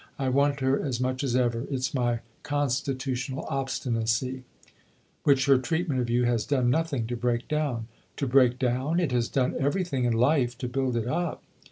" I want her as much as ever. It's my constitu tional obstinacy !"" Which her treatment of you has done nothing to break down ?"" To break down ? It has done everything in life to build it up."